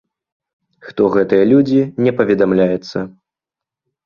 Хто гэтыя людзі, не паведамляецца.